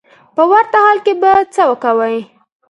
په ورته حال کې به څه کوې.